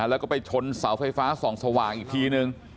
แล้วก็ไปชนเสาไฟฟ้าส่องสว่างอีกทีนึง